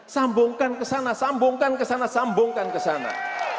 sambungkan ke sana sambungkan ke sana sambungkan ke sana